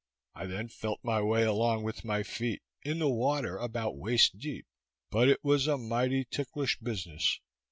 I then felt my way along with my feet, in the water, about waist deep, but it was a mighty ticklish business.